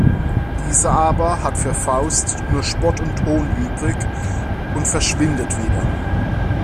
Dieser aber hat für Faust nur Spott und Hohn übrig und verschwindet wieder.